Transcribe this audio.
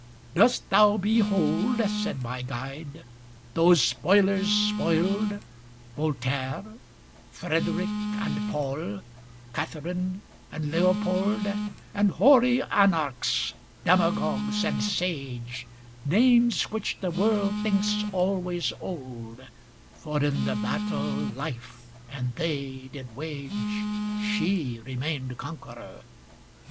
' Dost thou behold,' Said my guide, ' those spoilers spoiled, Vol taire, * Frederick, and Paul, Catherine, and Leo pold, And hoary anarchs, demagogues, and sage ŌĆö names which the world thinks always old, 238 * For in the battle Life and they did wage. She remained conqueror.